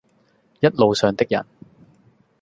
一路上的人，